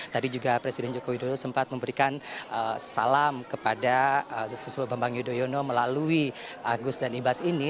tadi juga presiden joko widodo sempat memberikan salam kepada susilo bambang yudhoyono melalui agus dan ibas ini